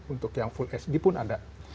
untuk yang full sd pun ada